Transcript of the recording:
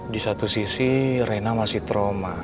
di satu sisi reina masih trauma